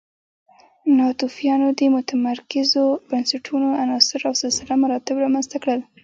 ناتوفیانو د متمرکزو بنسټونو عناصر او سلسله مراتب رامنځته کړل